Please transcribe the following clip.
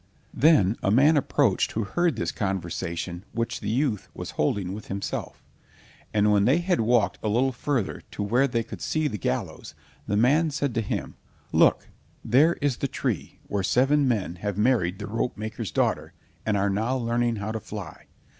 Then a man approached who heard this conversation which the youth was holding with himself, and when they had walked a little further to where they could see the gallows, the man said to him, "Look, there is the tree where seven men have married the ropemaker's daughter, and are now learning how to fly.